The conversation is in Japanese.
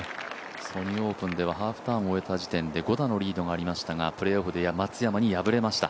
ソニーオープンでは、ハーフターンを終えたあとで５打のリードがありましたが、プレーオフで松山に敗れました。